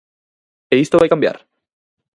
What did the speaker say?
E isto vai cambiar?